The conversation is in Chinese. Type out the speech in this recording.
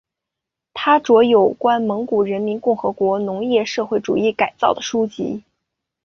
他着有有关蒙古人民共和国农业社会主义改造的书籍。